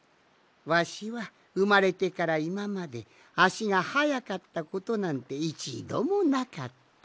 わしはうまれてからいままであしがはやかったことなんていちどもなかった。